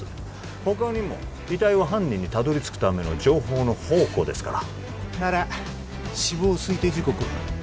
他にも遺体は犯人にたどり着くための情報の宝庫ですからなら死亡推定時刻は？